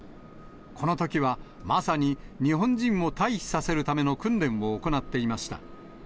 このときはまさに日本人を退避させるための訓練を行っていました。